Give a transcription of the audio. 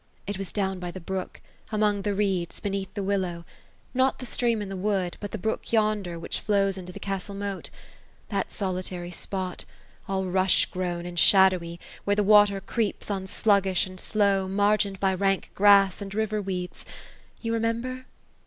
It was down by the brook — among the reeds — beneath the willow ;— not the stream in the wood — but the brook yonder, which flows into the castle moat. That solitary spot — all rush grown, and shadowy — ^where the water creeps on sluggish and slow, margined by rank grass, and river weeds, — you remember